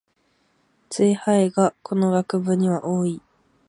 ツイ廃がこの学部には多い